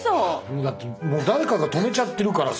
もうだって誰かが止めちゃってるからさ。